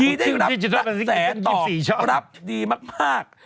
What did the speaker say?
ที่ได้รับกระแสตอบรับดีมาก